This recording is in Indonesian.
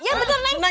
ya bener neng